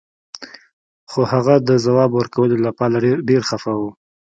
خو هغه د ځواب ورکولو لپاره ډیر خفه و